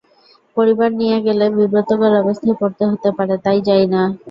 পরিবার নিয়ে গেলে বিব্রতকর অবস্থায় পড়তে হতে পারে, তাই যাই না।